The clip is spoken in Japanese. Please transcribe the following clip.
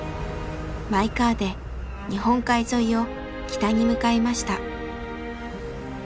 マイカーで日本海沿いを北に向かいました。